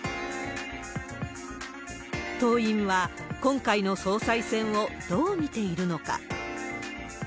党員は今回の総裁選をどう見ているのか。